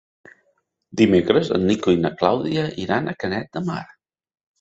Dimecres en Nico i na Clàudia iran a Canet de Mar.